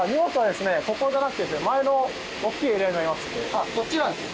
あっそっちなんですね。